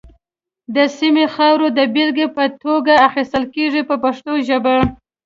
د سیمې خاوره د بېلګې په توګه اخیستل کېږي په پښتو ژبه.